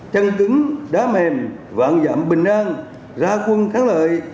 chăng cứng đá mềm vạn giảm bình an ra quân kháng lợi